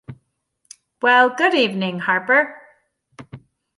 Well, good evening, Harper.